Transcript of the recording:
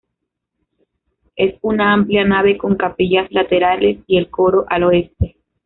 Es una amplia nave con capillas laterales y el coro al oeste.